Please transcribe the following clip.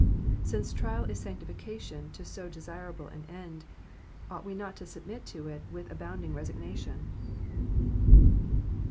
Since trial is sanctified to so desirable an end, ought we not to submit to it with abounding resignation.